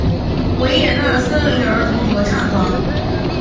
维也纳森林儿童合唱团。